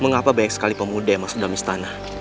mengapa banyak sekali pemuda yang masuk dalam istana